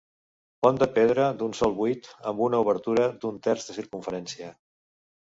Pont de pedra d'un sol buit amb una obertura d'un terç de circumferència.